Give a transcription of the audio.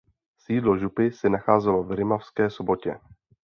Sídlo župy se nacházelo v Rimavské Sobotě.